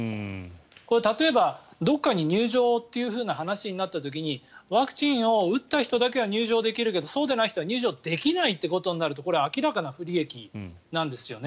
これ、例えばどこかに入場という話になった時にワクチンを打った人だけは入場できるけどそうでない人は入場できないとなるとこれは明らかに不利益なんですね。